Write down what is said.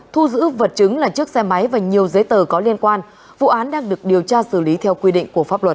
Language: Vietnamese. thu giữ vật chứng là chiếc xe máy và nhiều giấy tờ có liên quan vụ án đang được điều tra xử lý theo quy định của pháp luật